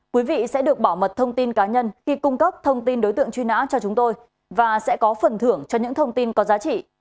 quý vị sẽ được bảo mật thông tin cá nhân khi cung cấp thông tin đối tượng truy nã cho chúng tôi và sẽ có phần thưởng cho những thông tin có giá trị